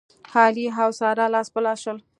علي او ساره لاس په لاس شول.